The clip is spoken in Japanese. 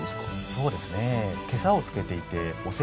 そうですね。